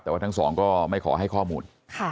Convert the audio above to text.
แต่ว่าทั้งสองก็ไม่ขอให้ข้อมูล